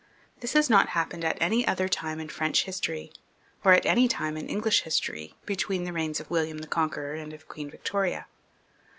This has not happened at any other time in French history, or at any time in English history, between the reigns of William the Conqueror and of Queen Victoria.